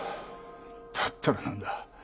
だったらなんだ？